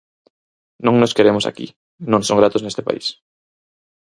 Non nos queremos aquí, non son gratos neste país.